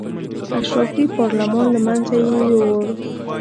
اشرافي پارلمان له منځه یې یووړ.